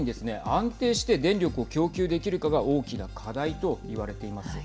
安定して電力を供給できるかが大きな課題といわれています。